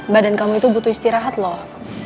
badan kamu itu butuh istirahat loh